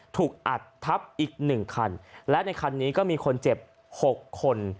ถูกอัดทับอีกหนึ่งคันและในคันนี้ก็มีคนเจ็บ๖คน